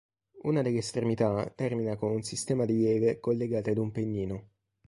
Una delle estremità termina con un sistema di leve collegate ad un pennino.